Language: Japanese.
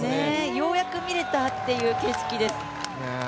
ようやく見れたという景色です。